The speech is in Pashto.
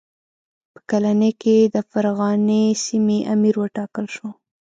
په کلنۍ کې د فرغانې سیمې امیر وټاکل شو.